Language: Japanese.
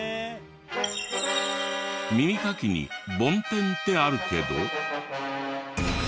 耳かきに梵天ってあるけど。